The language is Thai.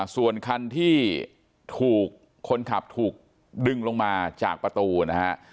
ส่วนคันที่ถูกคนขับถูกดึงลงมาจากประตูนะฮะ